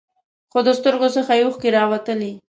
خو د سترګو څخه یې اوښکې راوتلې.